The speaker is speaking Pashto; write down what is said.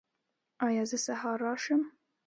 ایا زه سهار راشم؟